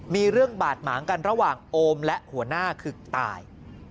มีเรื่องบาดหมางกันระหว่างโอมและหัวหน้าคือตาย